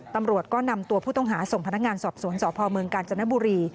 ตำรวจก็นำตัวผู้ต้องหาส่งพนักงานสอบสวนสพเมืองกาญจนบุรี